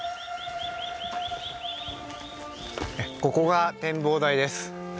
ここが展望台です。